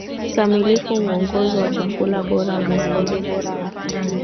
kikamilifu Mwongozo wa Chakula Bora Mwongozo Bora wa